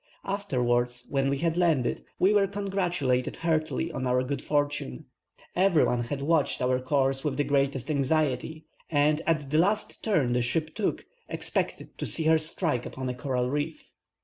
Afterwards, when we had landed, we were congratulated heartily on our good fortune; every one had watched our course with the greatest anxiety, and, at the last turn the ship took, expected to see her strike upon a coral reef.